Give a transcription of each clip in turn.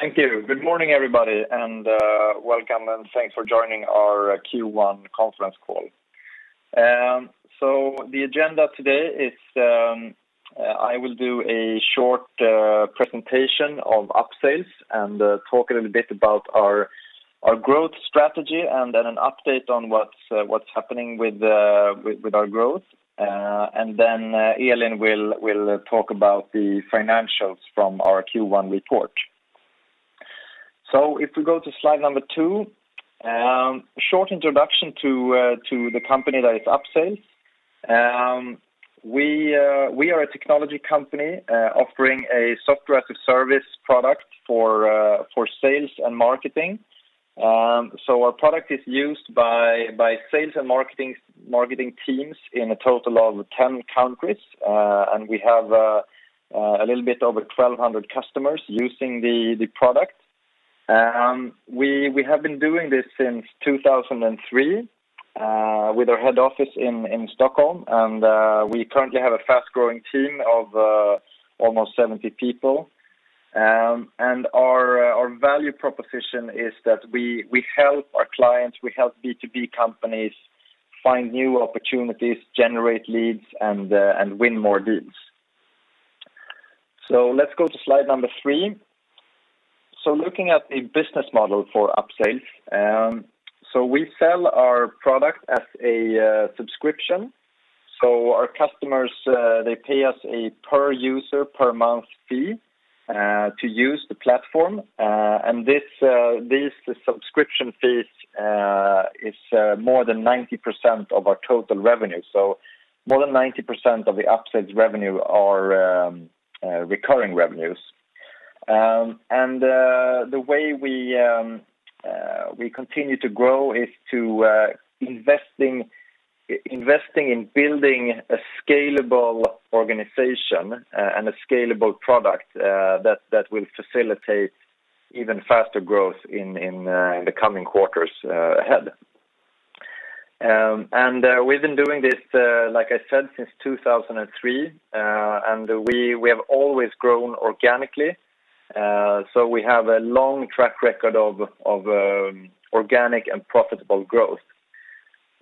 Thank you. Good morning, everybody, and welcome, and thanks for joining our Q1 conference call. The agenda today is I will do a short presentation of Upsales and talk a little bit about our growth strategy and then an update on what's happening with our growth. Then Elin will talk about the financials from our Q1 report. If we go to slide number two, a short introduction to the company that is Upsales. We are a technology company offering a software as a service product for sales and marketing. Our product is used by sales and marketing teams in a total of 10 countries. We have a little bit over 1,200 customers using the product. We have been doing this since 2003, with our head office in Stockholm. We currently have a fast-growing team of almost 70 people. Our value proposition is that we help our clients, we help B2B companies find new opportunities, generate leads, and win more deals. Let's go to slide number three. Looking at the business model for Upsales. We sell our product as a subscription. Our customers, they pay us a per user, per month fee to use the platform. These subscription fees is more than 90% of our total revenue. More than 90% of the Upsales revenue are recurring revenues. The way we continue to grow is to investing in building a scalable organization and a scalable product that will facilitate even faster growth in the coming quarters ahead. We've been doing this, like I said, since 2003. We have always grown organically. We have a long track record of organic and profitable growth.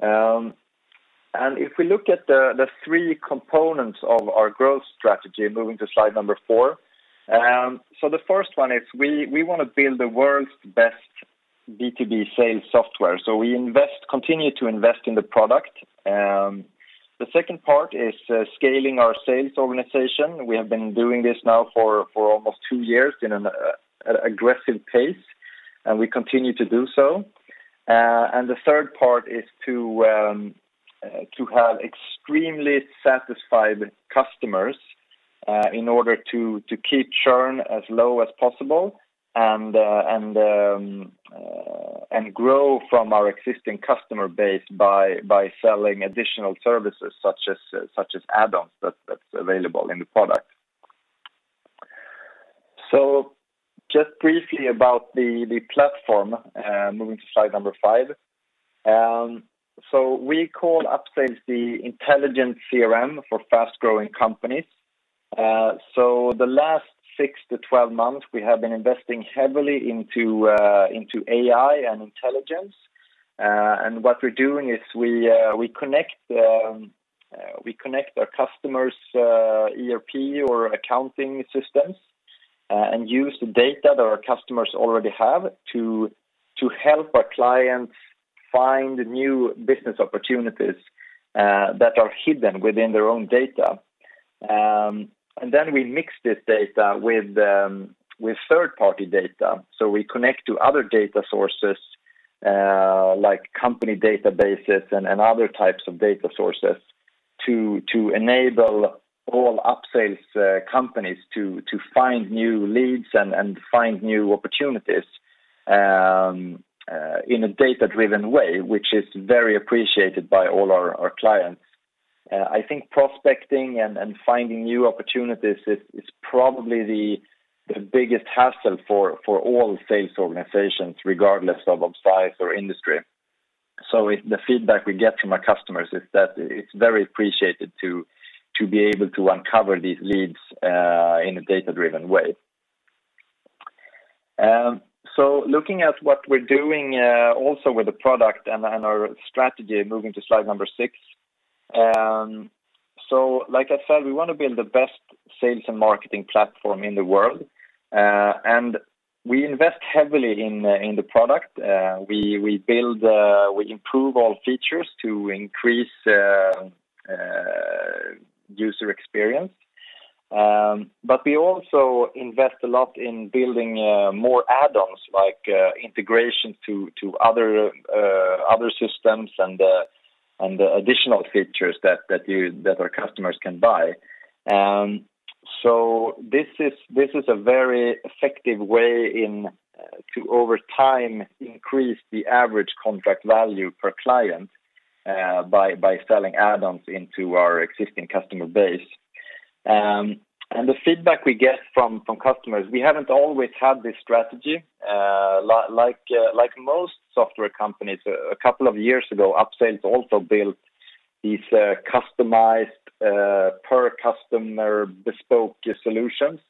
If we look at the three components of our growth strategy, moving to slide number four. The first one is we want to build the world's best B2B sales software. We continue to invest in the product. The second part is scaling our sales organization. We have been doing this now for almost two years in an aggressive pace, and we continue to do so. The third part is to have extremely satisfied customers, in order to keep churn as low as possible and grow from our existing customer base by selling additional services such as add-ons that's available in the product. Just briefly about the platform, moving to slide number five. We call Upsales the intelligent CRM for fast-growing companies. The last six to 12 months, we have been investing heavily into AI and intelligence. What we're doing is we connect our customers' ERP or accounting systems and use the data that our customers already have to help our clients find new business opportunities that are hidden within their own data. Then we mix this data with third-party data. We connect to other data sources, like company databases and other types of data sources to enable all Upsales companies to find new leads and find new opportunities in a data-driven way, which is very appreciated by all our clients. I think prospecting and finding new opportunities is probably the biggest hassle for all sales organizations, regardless of size or industry. The feedback we get from our customers is that it's very appreciated to be able to uncover these leads in a data-driven way. Looking at what we're doing also with the product and our strategy, moving to slide number six. Like I said, we want to build the best sales and marketing platform in the world. We invest heavily in the product. We improve all features to increase user experience. We also invest a lot in building more add-ons, like integration to other systems and the additional features that our customers can buy. This is a very effective way to, over time, increase the average contract value per client by selling add-ons into our existing customer base. The feedback we get from customers, we haven't always had this strategy. Like most software companies, a couple of years ago, Upsales also built. These are customized per customer bespoke solutions.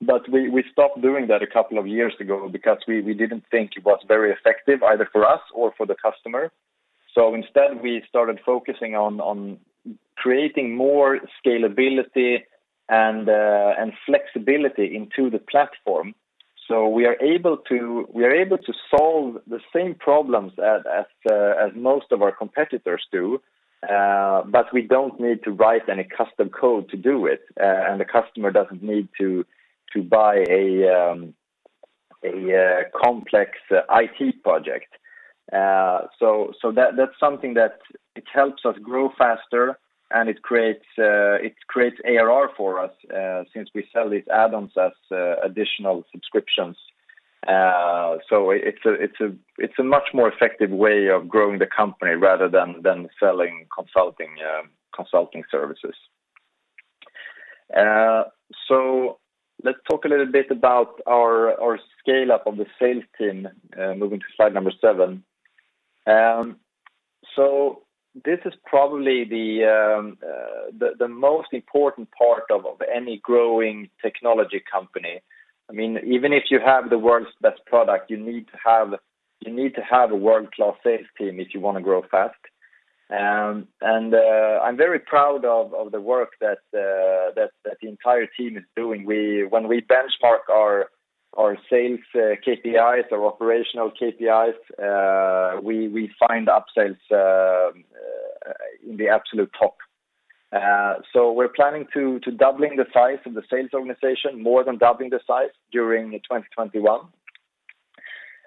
We stopped doing that a couple of years ago because we didn't think it was very effective either for us or for the customer. Instead, we started focusing on creating more scalability and flexibility into the platform. We are able to solve the same problems as most of our competitors do, but we don't need to write any custom code to do it, and the customer doesn't need to buy a complex IT project. That's something that it helps us grow faster and it creates ARR for us, since we sell these add-ons as additional subscriptions. It's a much more effective way of growing the company rather than selling consulting services. Let's talk a little bit about our scale-up of the sales team, moving to slide number seven. This is probably the most important part of any growing technology company. Even if you have the world's best product, you need to have a world-class sales team if you want to grow fast. I'm very proud of the work that the entire team is doing. When we benchmark our sales KPIs, our operational KPIs, we find Upsales in the absolute top. We're planning to more than doubling the size of the sales organization during 2021.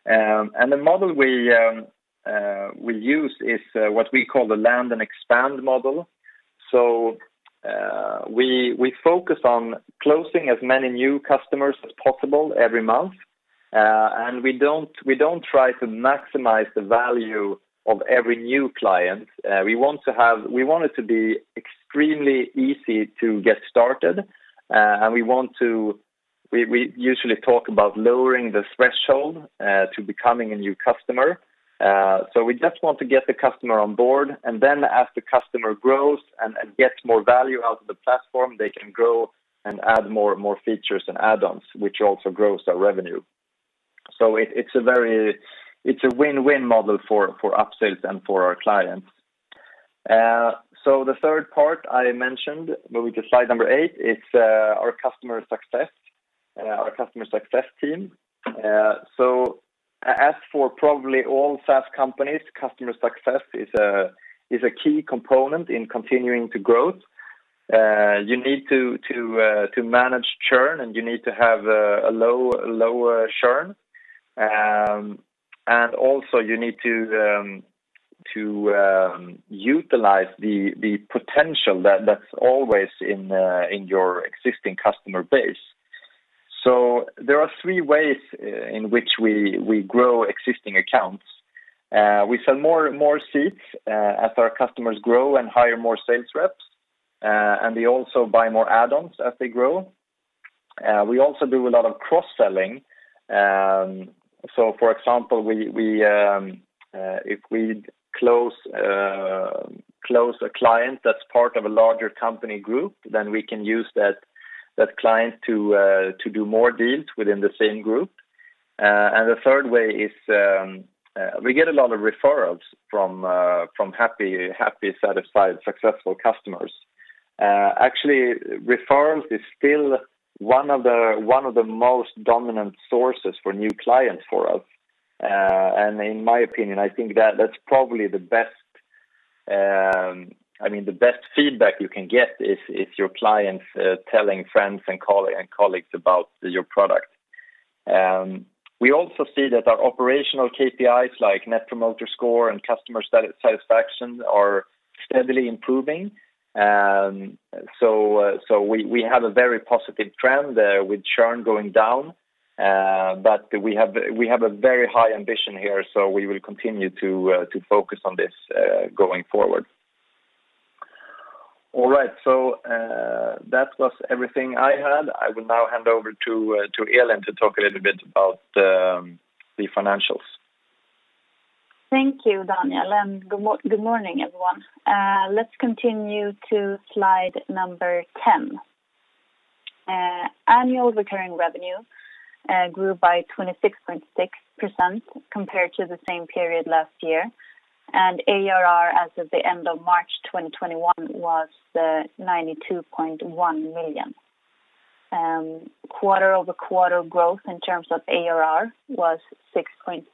The model we use is what we call the land and expand model. We focus on closing as many new customers as possible every month. We don't try to maximize the value of every new client. We want it to be extremely easy to get started, and we usually talk about lowering the threshold to becoming a new customer. We just want to get the customer on board, and then as the customer grows and gets more value out of the platform, they can grow and add more features and add-ons, which also grows our revenue. It's a win-win model for Upsales and for our clients. The third part I mentioned, moving to slide number eight, it's our customer success team. As for probably all SaaS companies, customer success is a key component in continuing to grow. You need to manage churn and you need to have a lower churn. Also you need to utilize the potential that's always in your existing customer base. There are three ways in which we grow existing accounts. We sell more seats as our customers grow and hire more sales reps, and they also buy more add-ons as they grow. We also do a lot of cross-selling. For example, if we close a client that's part of a larger company group, then we can use that client to do more deals within the same group. The third way is, we get a lot of referrals from happy, satisfied, successful customers. Referrals is still one of the most dominant sources for new clients for us. In my opinion, I think that's probably the best feedback you can get is if your clients telling friends and colleagues about your product. We also see that our operational KPIs like Net Promoter Score and customer satisfaction are steadily improving. We have a very positive trend there with churn going down. We have a very high ambition here, so we will continue to focus on this going forward. All right. That was everything I had. I will now hand over to Elin to talk a little bit about the financials. Thank you, Daniel, good morning, everyone. Let's continue to slide number 10. Annual recurring revenue grew by 26.6% compared to the same period last year. ARR as of the end of March 2021 was 92.1 million. Quarter-over-quarter growth in terms of ARR was 6.6%.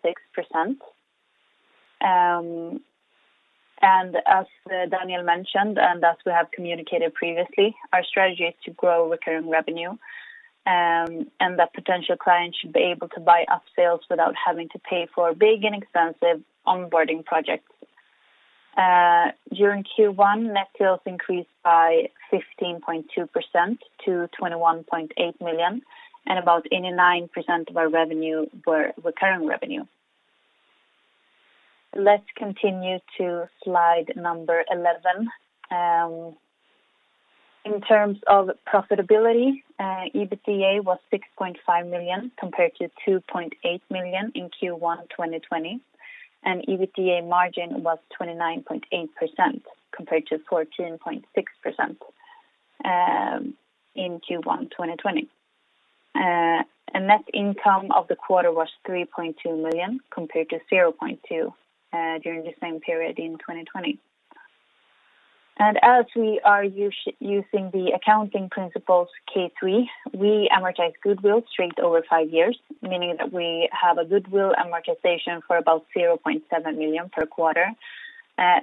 As Daniel mentioned, as we have communicated previously, our strategy is to grow recurring revenue, and that potential clients should be able to buy Upsales without having to pay for big and expensive onboarding projects. During Q1, net sales increased by 15.2% to 21.8 million, and about 89% of our revenue were recurring revenue. Let's continue to slide number 11. In terms of profitability, EBITDA was 6.5 million compared to 2.8 million in Q1 2020, and EBITDA margin was 29.8% compared to 14.6% in Q1 2020. Net income of the quarter was 3.2 million compared to 0.2 million during the same period in 2020. As we are using the accounting principles K3, we amortize goodwill straight over five years, meaning that we have a goodwill amortization for about 0.7 million per quarter.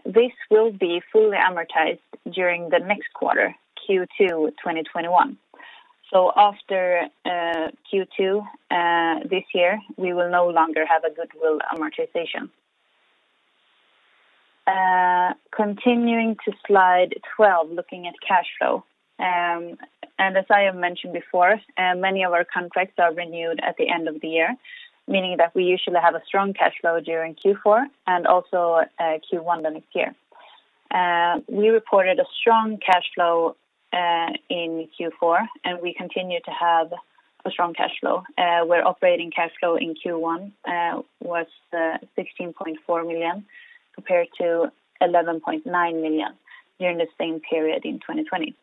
This will be fully amortized during the next quarter, Q2 2021. After Q2 this year, we will no longer have a goodwill amortization. Continuing to slide 12, looking at cash flow. As I have mentioned before, many of our contracts are renewed at the end of the year, meaning that we usually have a strong cash flow during Q4 and also Q1 the next year. We reported a strong cash flow in Q4, and we continue to have a strong cash flow, where operating cash flow in Q1 was 16.4 million compared to 11.9 million during the same period in 2020.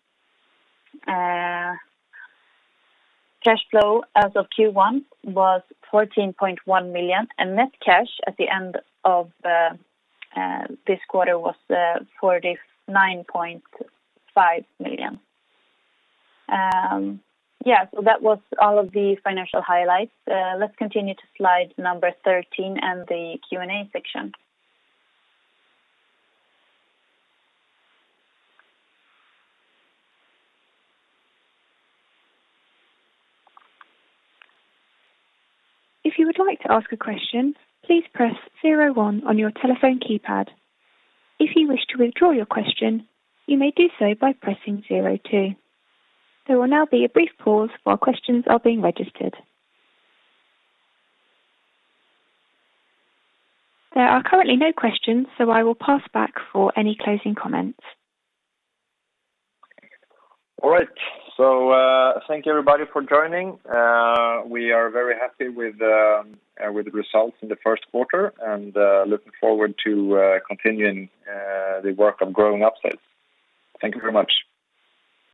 Cash flow as of Q1 was 14.1 million, and net cash at the end of this quarter was 49.5 million. Yeah, that was all of the financial highlights. Let's continue to slide number 13 and the Q&A section. If you would like to ask a question, please press zero one on your telephone keypad. If you wish to withdraw your question, you may do so by pressing zero two. There will now be a brief pause while questions are being registered. There are currently no questions, so I will pass back for any closing comments. All right. Thank you, everybody, for joining. We are very happy with the results in the first quarter and looking forward to continuing the work of growing Upsales. Thank you very much.